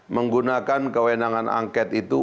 menggunakan kewenangan angket itu